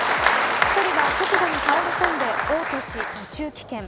１人は直後に倒れ込んでおう吐し途中棄権。